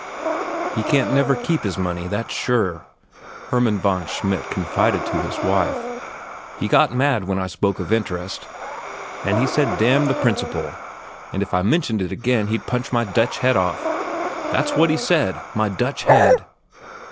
"He can't never keep his money, that's sure," Hermann von Schmidt confided to his wife. "He got mad when I spoke of interest, an' he said damn the principal and if I mentioned it again, he'd punch my Dutch head off. That's what he said—my Dutch head.